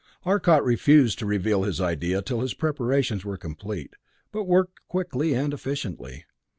Arcot refused to reveal his idea till his preparations were complete, but worked quickly and efficiently.